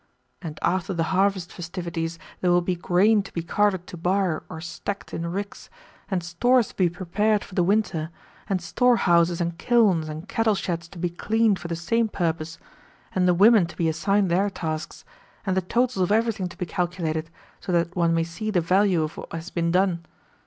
And after the harvest festivities there will be grain to be carted to byre or stacked in ricks, and stores to be prepared for the winter, and storehouses and kilns and cattle sheds to be cleaned for the same purpose, and the women to be assigned their tasks, and the totals of everything to be calculated, so that one may see the value of what has been done.